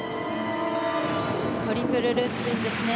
トリプルルッツいいですね。